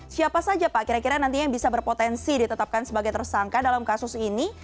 siapa saja pak kira kira nantinya yang bisa berpotensi ditetapkan sebagai tersangka dalam kasus ini